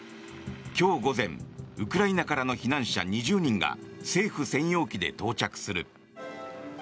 今日午前ウクライナからの避難者２０人が政府専用機で到着する。